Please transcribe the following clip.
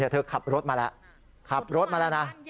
เธอขับรถมาแล้วขับรถมาแล้วนะ